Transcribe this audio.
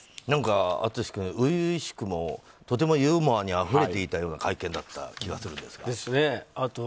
何か淳君、初々しくもとてもユーモアにあふれていたような会見だった気がするんですが。